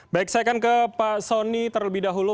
baik saya akan ke pak soni terlebih dahulu